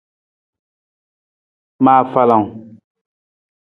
Ma afalang.